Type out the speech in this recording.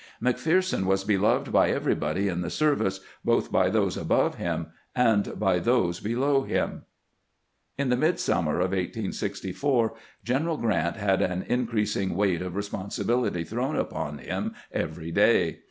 McPherson was beloved by everybody in the service, both by those above him and by those below him." In the midsummer of 1864 General Grant had an in creasing weight of responsibility thrown upon him every day.